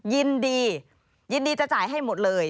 ยินดียินดีจะจ่ายให้หมดเลย